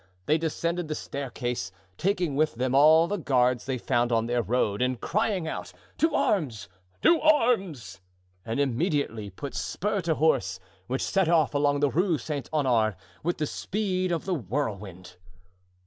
They descended the great staircase, taking with them all the guards they found on their road, and crying out, "To arms! To arms!" and immediately put spur to horse, which set off along the Rue Saint Honore with the speed of the whirlwind.